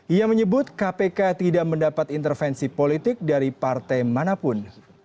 ia menyebut kpk tidak mendapat intervensi politik dari partai manapun